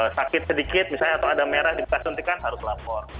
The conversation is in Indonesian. sakit sedikit misalnya atau ada merah di bekas suntikan harus lapor